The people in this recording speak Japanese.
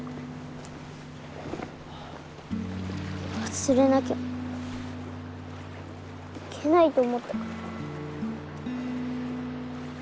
忘れなきゃいけないと思ったから。